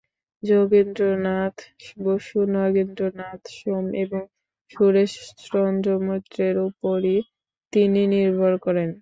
যোগীন্দ্রনাথ বসু, নগেন্দ্রনাথ সোম এবং সুরেশচন্দ্র মৈত্রের ওপরই তিনি নির্ভর করেন।